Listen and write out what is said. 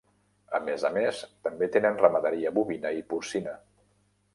A més a més també tenen ramaderia bovina i porcina.